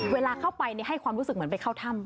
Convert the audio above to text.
เวลาเข้าไปให้ความรู้สึกเหมือนไปเข้าถ้ำ